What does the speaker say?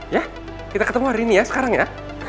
ya kita ketemu hari ini ya sekarang ya